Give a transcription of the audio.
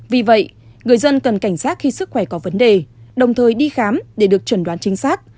vì vậy người dân cần cảnh giác khi sức khỏe có vấn đề đồng thời đi khám để được chuẩn đoán chính xác